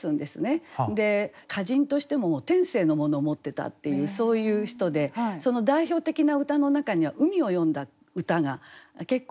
歌人としても天性のものを持ってたっていうそういう人でその代表的な歌の中には海を詠んだ歌が結構あります。